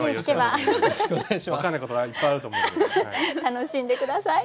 楽しんで下さい。